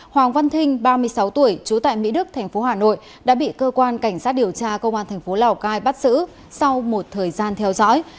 hoàng văn thinh ba mươi sáu tuổi trú tại mỹ đức tp hà nội đã bị cơ quan cảnh sát điều tra công an thành phố lào cai bắt xử sau một thời gian theo dõi